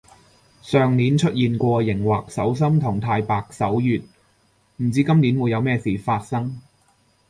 上年出現過熒惑守心同太白守月，唔知今年會有咩事發生